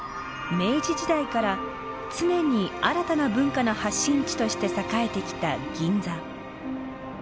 明治時代から常に新たな文化の発信地として栄えてきた銀座。